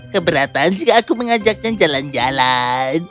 keberatan jika aku mengajaknya jalan jalan